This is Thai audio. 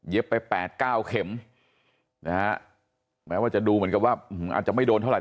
ไป๘๙เข็มนะฮะแม้ว่าจะดูเหมือนกับว่าอาจจะไม่โดนเท่าไห